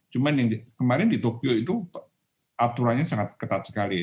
cuma yang kemarin di tokyo itu aturannya sangat ketat sekali